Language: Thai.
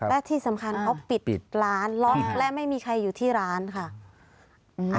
และที่สำคัญเขาปิดร้านล็อกและไม่มีใครอยู่ที่ร้านค่ะ